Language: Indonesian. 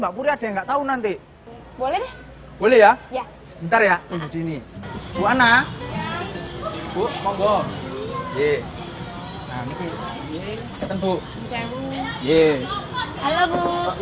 mbak puri ada nggak tahu nanti boleh boleh ya ya ntar ya ini buana bukom